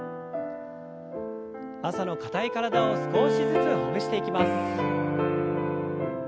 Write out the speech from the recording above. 朝の硬い体を少しずつほぐしていきます。